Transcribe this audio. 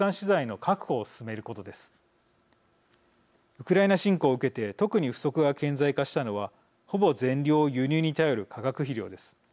ウクライナ侵攻を受けて特に不足が顕在化したのはほぼ全量を輸入に頼る化学肥料です。